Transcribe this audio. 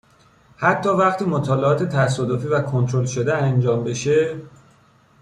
حتی وقتی مطالعات تصادفی و کنترل شده انجام بشه!